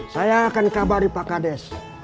saya akan kabari pak kades